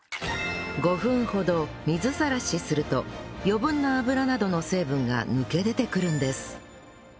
５分ほど水さらしすると余分な脂などの成分が抜け出てくるんです